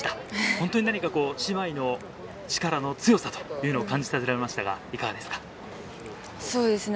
本当に何かこう、姉妹の力の強さというのを感じさせられましたが、いかがですか。